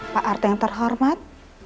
pak arta yang terhormat